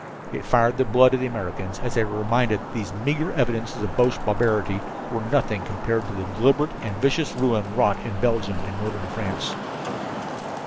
It fired the blood of the Americans as they were reminded that these meagre evidences of Boche barbarity were as nothing compared to the deliberate and vicious ruin wrought in Belgium and northern France.